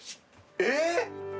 えっ！